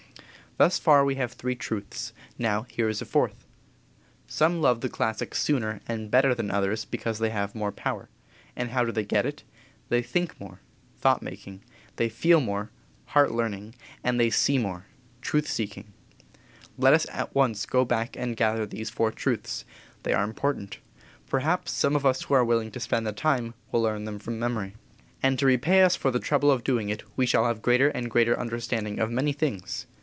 Thus far we have three truths; now here is a fourth: Some love the classics sooner and better than others because they have more power. And how do they get it? They think more (thought making); they feel more (heart learning); and they see more (truth seeking). Let us at once go back and gather together these four truths. They are important. Perhaps some of us who are willing to spend the time will learn them from memory. And to repay us for the trouble of doing it we shall have greater and greater understanding of many things.